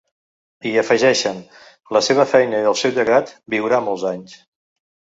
I afegeixen: La seva feina i el seu llegat viurà molts anys.